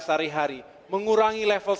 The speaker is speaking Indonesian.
sehari hari mengurangi level